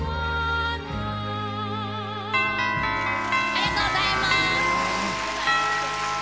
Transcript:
ありがとうございます。